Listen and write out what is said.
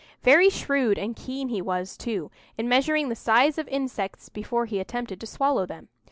Very shrewd and keen he was, too, in measuring the size of insects before he attempted to swallow them.